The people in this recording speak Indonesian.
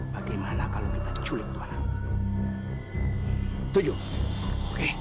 bagaimana kalau kita culik tuan